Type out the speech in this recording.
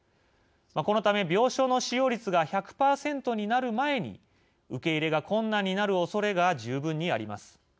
このため、病床の使用率が１００％になる前に受け入れが困難になるおそれが十分にあります。